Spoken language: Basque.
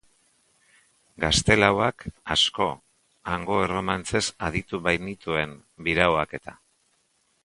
Gaztelauak asko, hango erromantzez aditu bainituen biraoak-eta.